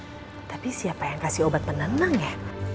tapi siapa yang kasih obat penenang ya